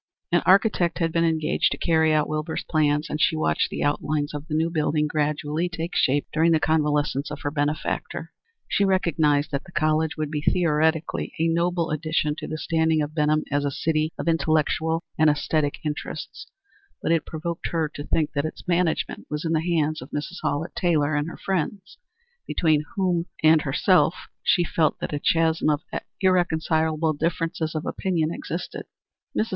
An architect had been engaged to carry out Wilbur's plans, and she watched the outlines of the new building gradually take shape during the convalescence of her benefactor. She recognized that the college would be theoretically a noble addition to the standing of Benham as a city of intellectual and æsthetic interests, but it provoked her to think that its management was in the hands of Mrs. Hallett Taylor and her friends, between whom and herself she felt that a chasm of irreconcilable differences of opinion existed. Mrs.